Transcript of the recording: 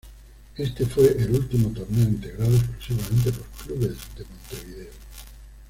Este fue el último torneo integrado exclusivamente por clubes de Montevideo.